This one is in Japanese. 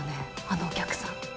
あのお客さん。